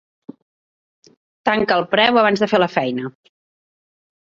Tanca el preu abans de fer la feina.